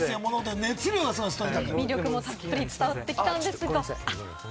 魅力もたっぷり伝わってきたんですが。